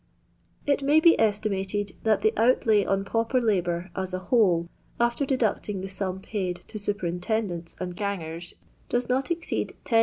It may be estimated that the outlay on pauper labour, as a whole, after deducting the sum paid to superintendents and gangers, does not exceed 10s.